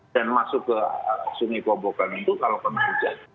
dan masuk ke sungai kobokan itu kalau kebujat